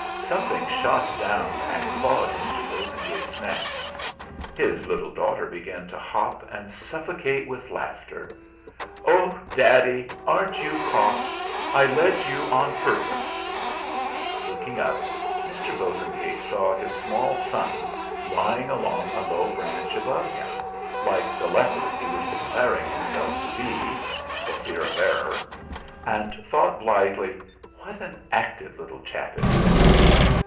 Something shot down and clawed Mr. Bosengate's neck. His little daughter began to hop and suffocate with laughter. "Oh, Daddy! Aren't you caught! I led you on purpose!" Looking up, Mr. Bosengate saw his small son lying along a low branch above him like the leopard he was declaring himself to be (for fear of error), and thought blithely: 'What an active little chap it is!'